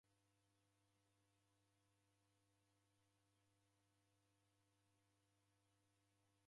Degha madu kusikire malagho gha w'aghosi.